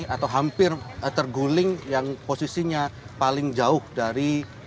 atau hampir terguling yang posisinya paling jauh dari